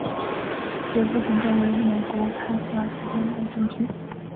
杰佛逊镇区为美国堪萨斯州杰佛逊县辖下的镇区。